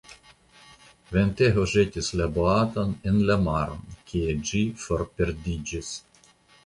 Ventego ĵetis la boaton en la maron, kie ĝi forperdiĝis.